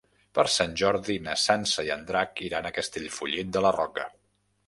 Per Sant Jordi na Sança i en Drac iran a Castellfollit de la Roca.